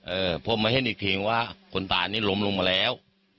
เออพอมาเห็นอีกทีว่าคนตายนี่ล้มลงมาแล้ว